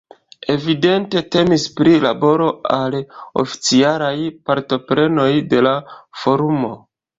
Evidente temis pri baro al oficialaj partoprenoj de la forumo.